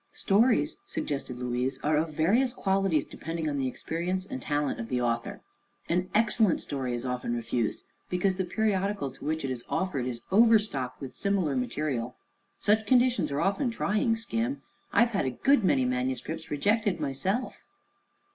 "Stories," suggested Louise, "are of various qualities, depending on the experience and talent of the author. An excellent story is often refused because the periodical to which it is offered is overstocked with similar material. Such conditions are often trying, Skim; I've had a good many manuscripts rejected myself."